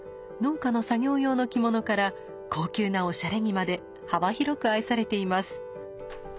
農家の作業用の着物から高級なおしゃれ着まで幅広く愛されています。